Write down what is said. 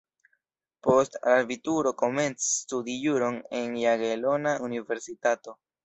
Post abituro komencis studi juron en Jagelona Universitato.